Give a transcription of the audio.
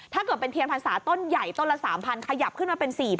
ถ้าเกิดเป็นเทียนพรรษาต้นใหญ่ต้นละ๓๐๐ขยับขึ้นมาเป็น๔๐๐